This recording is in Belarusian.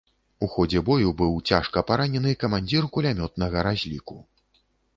У ходзе бою быў цяжка паранены камандзір кулямётнага разліку.